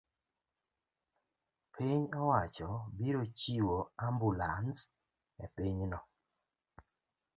piny owacho biro chiwo ambulans e pinyno